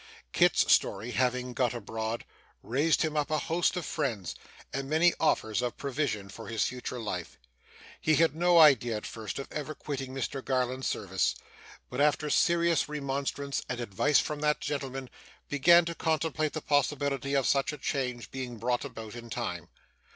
Kit's story having got abroad, raised him up a host of friends, and many offers of provision for his future life. He had no idea at first of ever quitting Mr Garland's service; but, after serious remonstrance and advice from that gentleman, began to contemplate the possibility of such a change being brought about in time.